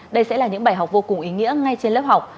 đây sẽ là những bài học vô cùng ý nghĩa ngay trên lớp học